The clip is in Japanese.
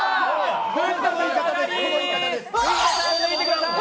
藤田さん、抜けてください。